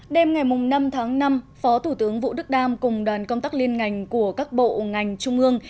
đêm ngày năm tháng năm phó thủ tướng vũ đức đam cùng đoàn công tác liên ngành của các bộ ngành trung ương